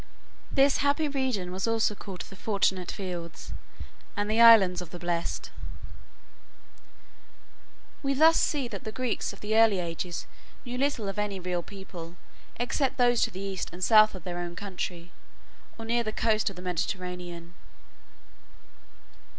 This happy region was also called the "Fortunate Fields," and the "Isles of the Blessed." We thus see that the Greeks of the early ages knew little of any real people except those to the east and south of their own country, or near the coast of the Mediterranean.